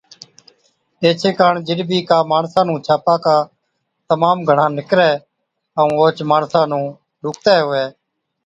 ايڇي ڪاڻ جِڏ بِي ڪا ماڻسا نُون ڇاپاڪا تمام گھڻا نِڪرَي ائُون اوهچ ماڻسا نُون ڏُکتَي هُوَي